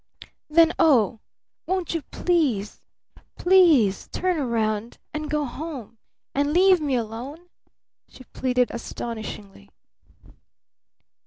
"Then oh won't you please please turn round and go home and leave me alone?" she pleaded astonishingly.